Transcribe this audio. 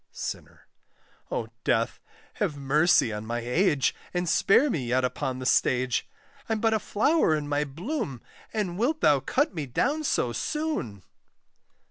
SINNER. O Death! have mercy on my age, And spare me yet upon the stage: I'm but a flower in my bloom, And wilt thou cut me down so soon!